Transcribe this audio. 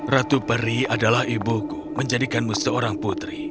ratu peri adalah ibuku menjadikanmu seorang putri